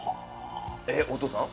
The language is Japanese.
えっお父さん？